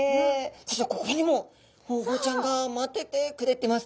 そしてここにもホウボウちゃんが待っててくれてます。